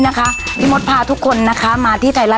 ลูกค้าพี่มดมาแล้วลูกค้าสวัสดีครับ